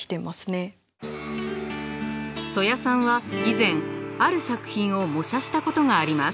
曽谷さんは以前ある作品を模写したことがあります。